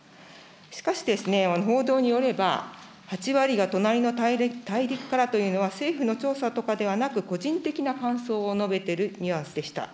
しかしですね、報道によれば、８割が隣の大陸からというのは、政府の調査とかではなく、個人的な感想を述べてるニュアンスでした。